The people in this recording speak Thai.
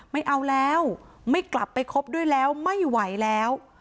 ไม่เอาแล้วไม่กลับไปคบด้วยแล้วไม่ไหวแล้ว